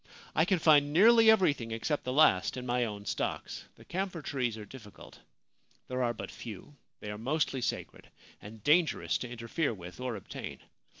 I can find nearly everything, except the last, in my own stocks ; the camphor trees are difficult. There are but few ; they are mostly sacred, and dangerous to interfere with or obtain.